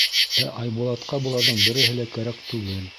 Ә Айбулатҡа быларҙың береһе лә кәрәк түгел.